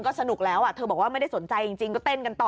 โอ้โฮ